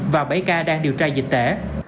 và bảy ca đang điều tra dịch tễ